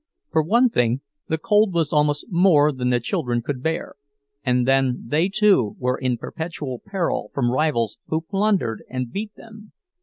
For one thing the cold was almost more than the children could bear; and then they, too, were in perpetual peril from rivals who plundered and beat them.